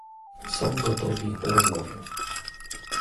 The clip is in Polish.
Są gotowi do rozmowy